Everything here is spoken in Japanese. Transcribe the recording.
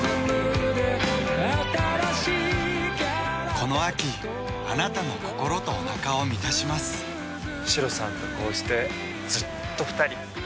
この秋あなたの心とおなかを満たしますシロさんとこうしてずっと２人。